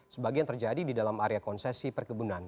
sebagian terjadi di dalam area konsesi perkebunan